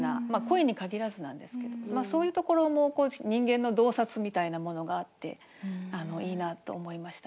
恋に限らずなんですけどそういうところも人間の洞察みたいなものがあっていいなと思いましたね。